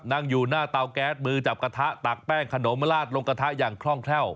นั่งอยู่หน้าเตาแก๊สมือจับกระทะตักแป้งขนมลาดลงกระทะอย่างคล่องแคล่ว